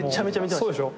そうでしょ？